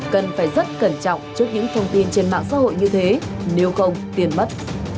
cần phải rất cẩn trọng trước những thông tin trên mạng xã hội như thế nếu không tiền mất